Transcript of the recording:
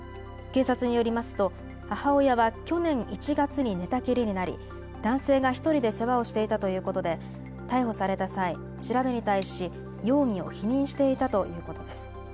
警察によりますと母親は去年１月に寝たきりになり男性が１人で世話をしていたということで逮捕された際、調べに対し容疑を否認していたということです。